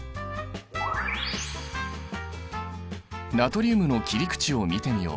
ナトリウムの切り口を見てみよう。